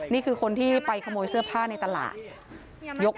นี่คือคนที่ไปขโมยเสื้อผ้าในตลาด